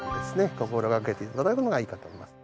心がけて頂くのがいいかと思います。